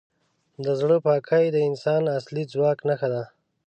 د زړه پاکي د انسان د اصلي ځواک نښه ده.